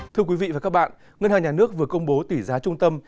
thưa quý vị và các bạn ngân hàng nhà nước vừa công bố tỷ giá trung tâm